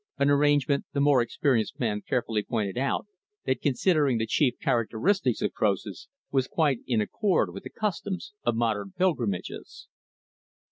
An arrangement the more experienced man carefully pointed out that, considering the chief characteristics of Croesus, was quite in accord with the customs of modern pilgrimages.